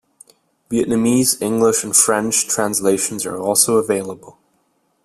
Vietnamese, English, and French translations are also available.